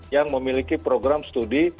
yang memiliki program studi